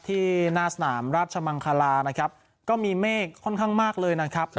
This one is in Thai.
ที่หน้าสนามราชมังคลานะครับก็มีเมฆค่อนข้างมากเลยนะครับ